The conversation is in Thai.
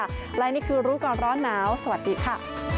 และนี่คือรู้ก่อนร้อนหนาวสวัสดีค่ะ